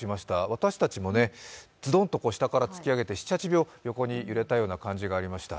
私たちもズドンと下から突き上げて、７８秒横に揺れたような感じがありました。